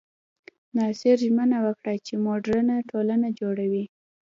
ناصر ژمنه وکړه چې موډرنه ټولنه جوړوي.